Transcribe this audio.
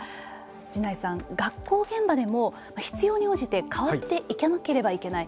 神内さん、学校現場でも必要に応じて変わっていかなければいけない